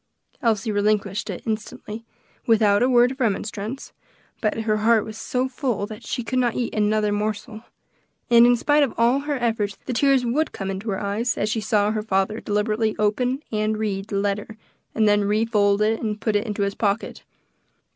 Elsie relinquished it instantly, without a word of remonstrance, but her heart was so full that she could not eat another morsel; and in spite of all her efforts the tears would come into her eyes, as she saw her father deliberately open and read the letter, and then refold and put it into his pocket.